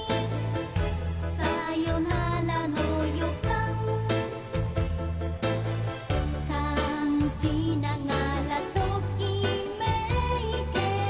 「サヨウナラの予感」「感じながらときめいて」